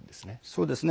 そうですね。